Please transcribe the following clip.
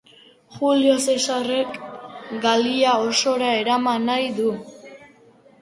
Julio Zesarrek Galia osora eraman nahi du.